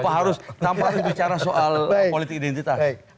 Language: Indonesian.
tanpa harus bicara soal politik identitas